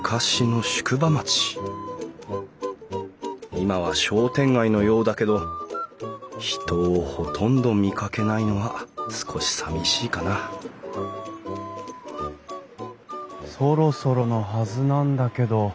今は商店街のようだけど人をほとんど見かけないのは少しさみしいかなそろそろのはずなんだけど。